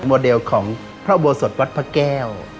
โมเดลของพระอุโบสถวัดพระแก้ว